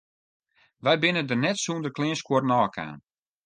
Wy binne der net sûnder kleanskuorren ôfkaam.